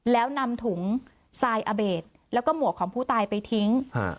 แล้วนำถุงทรายอเบดแล้วก็หมวกของผู้ตายไปทิ้ง